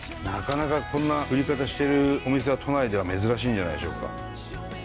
なかなかこんな売り方してるお店は都内では珍しいんじゃないでしょうか。